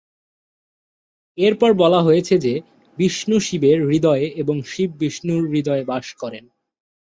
এরপর বলা হয়েছে যে, বিষ্ণু শিবের হৃদয়ে এবং শিব বিষ্ণুর হৃদয়ে বাস করেন।